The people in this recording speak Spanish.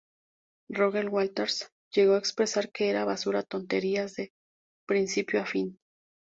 Roger Waters llegó a expresar que era "basura, tonterías de principio a fin".